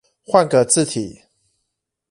換個字體